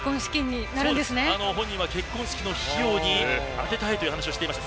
本人は結婚式の費用に充てたいという話をしていました。